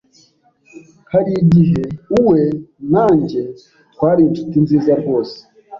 Hari igihe we na njye twari inshuti nziza rwose.